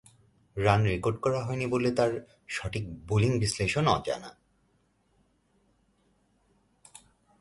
Run record করা হয়নি বলে তাঁর সঠিক বোলিং বিশ্লেষণ অজানা।